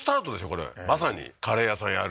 これまさにカレー屋さんやる